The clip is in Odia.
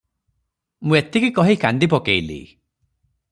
ମୁଁ ଏତିକି କହି କାନ୍ଦି ପକେଇଲି ।"